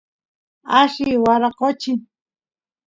alli waraqochi